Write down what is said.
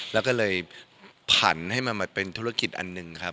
แล้วก็เลยผันให้มาเป็นธุรกิจอันหนึ่งครับ